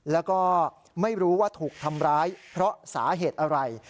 แล้วก็ไม่รู้ว่าถูกทำร้ายเพราะสาเหตุอะไร